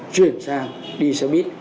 chuyển sang đi xe buýt